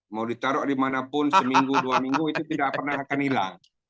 mau ditaruh dimanapun seminggu dua minggu itu tidak pernah akan hilang